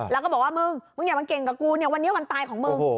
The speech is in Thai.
แล้วก็บอกว่ามึงมึงอย่ามาเก่งกับกูเนี่ยวันนี้วันตายของมึง